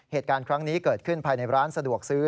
เหตุการณ์ครั้งนี้เกิดขึ้นภายในร้านสะดวกซื้อ